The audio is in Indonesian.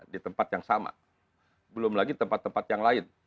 di tempat yang sama belum lagi tempat tempat yang lain